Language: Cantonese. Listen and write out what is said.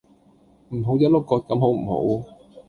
唔好一碌葛咁好唔好